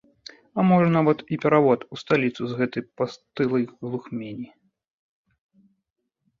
А можа і нават перавод у сталіцу з гэтай пастылай глухмені.